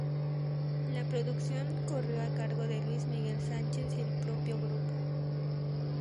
La producción corrió a cargo de Luis Miguel Sánchez y el propio grupo.